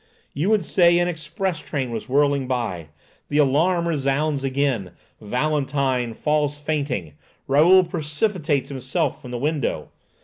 You would say an express train was whirling by. The alarum resounds again. Valentine falls fainting. Raoul precipitates himself from the window.